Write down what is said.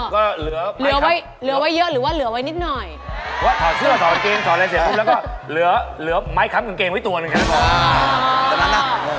ก็เหลือไว้บ้างอ๋อเหลือเค้าเหลือไว้เยอะหรือไว้นิดหน่อย